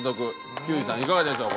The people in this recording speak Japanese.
休井さんいかがでしょう？